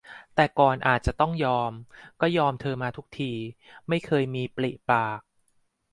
แต่ก่อนอาจจะต้องยอม ก็ยอมเธอมาทุกที ไม่เคยมีปริปาก